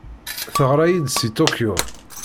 Teɣra-iyi-d seg Tokyo.